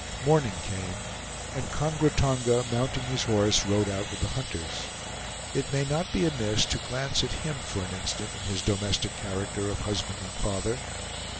Morning came, and Kongra Tonga, mounting his horse, rode out with the hunters. It may not be amiss to glance at him for an instant in his domestic character of husband and father.